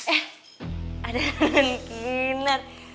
eh ada nenek rinat